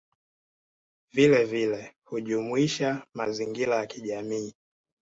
Vilevile hujumuisha mazingira ya kijamii